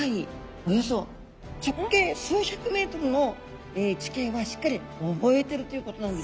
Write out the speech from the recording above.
およそ直径数百ｍの地形はしっかり覚えてるということなんです。